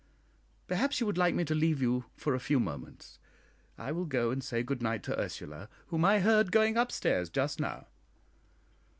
Perhaps you would like me to leave you for a few moments. I will go and say good night to Ursula, whom I heard going up stairs just now."